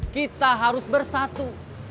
kita harus bersatu